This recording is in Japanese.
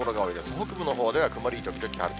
北部のほうでは曇り時々雨と。